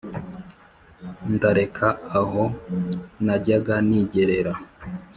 ndareka aho najyaga nigerera,